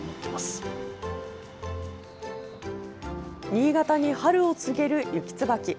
新潟に春を告げるユキツバキ。